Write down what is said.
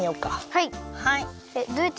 はい。